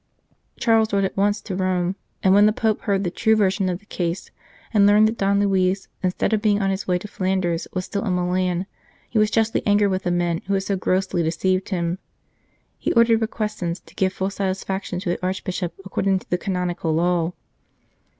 Charles wrote at once to Rome, and when the Pope heard the true version of the case, and learned that Don Luis, instead of being on his way to Flanders, was still in Milan, he was justly angered with the men who had so grossly de ceived him. He ordered Requesens to give full satisfaction to the Archbishop according to the canonical law.